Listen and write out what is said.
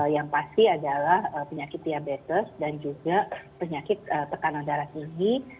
yang pasti adalah penyakit diabetes dan juga penyakit tekanan darah tinggi